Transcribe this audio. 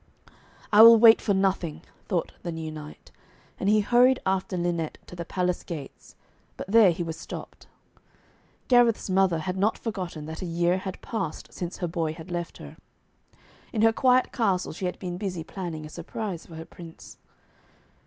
'I will wait for nothing,' thought the new knight, and he hurried after Lynette to the palace gates, but there he was stopped. Gareth's mother had not forgotten that a year had passed since her boy had left her. In her quiet castle she had been busy planning a surprise for her prince.